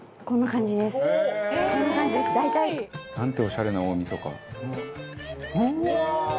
こんな感じかな？